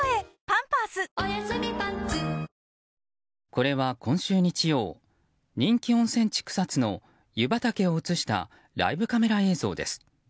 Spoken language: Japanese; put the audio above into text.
これは今週日曜人気温泉地・草津の湯畑を映したライブカメラ映像です。